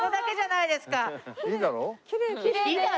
「いいだろ？」